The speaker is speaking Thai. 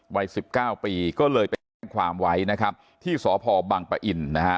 วัยสิบเก้าปีก็เลยไปแจ้งความไว้นะครับที่สพบังปะอินนะฮะ